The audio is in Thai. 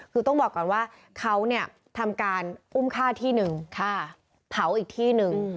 คือต้องบอกก่อนว่าเขาเนี่ยทำการอุ้มฆ่าที่หนึ่งเผาอีกที่หนึ่ง